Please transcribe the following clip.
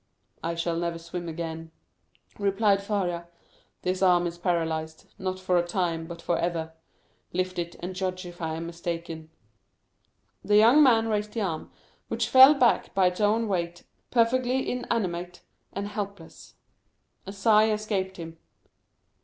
"I shall never swim again," replied Faria. "This arm is paralyzed; not for a time, but forever. Lift it, and judge if I am mistaken." The young man raised the arm, which fell back by its own weight, perfectly inanimate and helpless. A sigh escaped him.